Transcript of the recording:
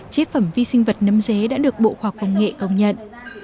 chế phẩm vi sinh vật nâm giế đã được bộ khoa công nghệ công nhận